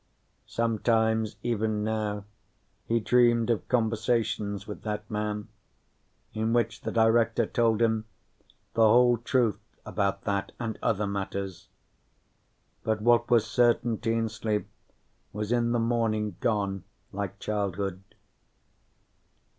Sometimes, even now, he dreamed of conversations with that man, in which the Director told him the whole truth about that and other matters; but what was certainty in sleep was in the morning gone like childhood.